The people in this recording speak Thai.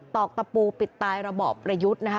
ตอกตะปูปิดตายระบอบประยุทธ์นะคะ